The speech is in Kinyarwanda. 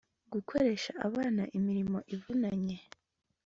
gukoresha abana imirimo ivunanye